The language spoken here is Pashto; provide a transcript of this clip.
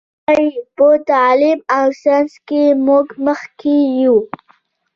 وایي: په تعلیم او ساینس کې موږ مخکې یو.